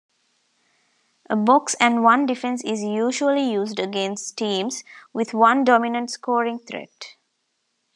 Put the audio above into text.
A box-and-one defense is usually used against teams with one dominant scoring threat.